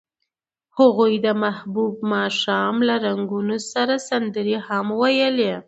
هغوی د محبوب ماښام له رنګونو سره سندرې هم ویلې.